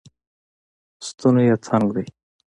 ستونی یې تنګ دی